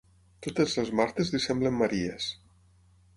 Totes les Martes li semblen Maries.